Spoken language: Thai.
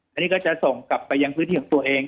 อันนี้ก็จะส่งกลับไปยังพื้นที่ของตัวเอง